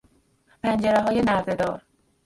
پنجرههای نرده دار